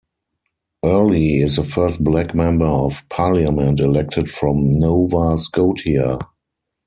Earle is the first black Member of Parliament elected from Nova Scotia.